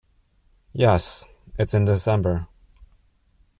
Yes, it's in December.